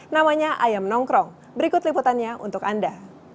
namanya ayam nongkrong berikut liputannya untuk anda